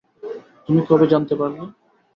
তুমি কবে জানতে পারলে?